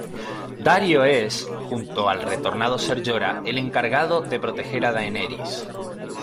Daario es, junto al retornado Ser Jorah, el encargado de proteger a Daenerys.